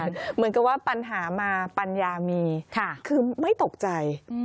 เหมือนกับว่าปัญหามาปัญญามีคือไม่ตกใจ